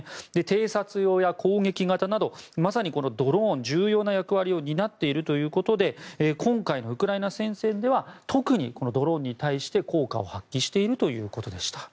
偵察用や攻撃型などまさにドローンは重要な役割を担っているということで今回のウクライナ戦線では特に、このドローンに対して効果を発揮しているということでした。